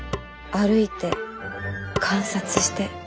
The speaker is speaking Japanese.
歩いて観察して。